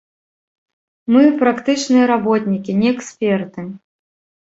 Мы практычныя работнікі, не эксперты.